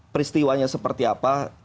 peristiwanya seperti apa